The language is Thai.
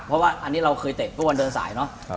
เพราะว่าอันนี้เราเคยเตะทุกวันเดินสายเนอะ